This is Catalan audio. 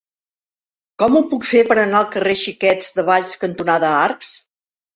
Com ho puc fer per anar al carrer Xiquets de Valls cantonada Arcs?